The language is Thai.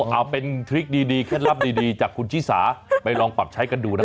เอาเป็นทริคดีเคล็ดลับดีจากคุณชิสาไปลองปรับใช้กันดูนะ